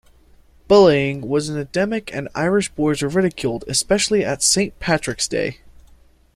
Bullying was endemic and Irish boys were ridiculed, especially at Saint Patrick's Day.